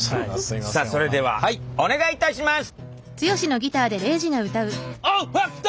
さあそれではお願いいたします！